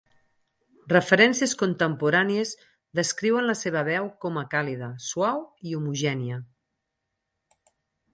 Referències contemporànies descriuen la seva veu com a càlida, suau i homogènia.